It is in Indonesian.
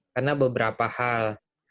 karena beberapa hal